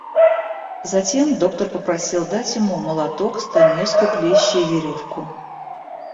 Затем доктор попросил дать ему молоток, стамеску, клещи и веревку.